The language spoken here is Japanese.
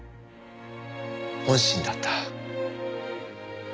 本心だった。